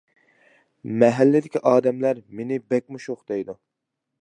مەھەللىدىكى ئادەملەر، مېنى بەكمۇ شوخ دەيدۇ.